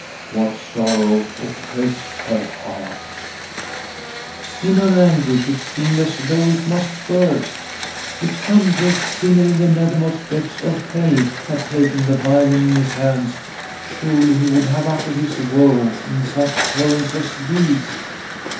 What sorrow oppressed her heart ! In her anguish it seemed as though it must burst. If some great sinner in the nethermost depths of hell had taken the violin in his hands, surely he would have uttered his woe in such tones as these.